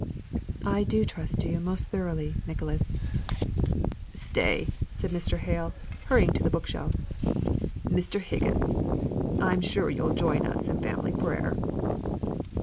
"I do trust you most thoroughly, Nicholas." "Stay!" said Mr. Hale, hurrying to the bookshelves. "Mr. Higgins! I'm sure you'll join us in family prayer?"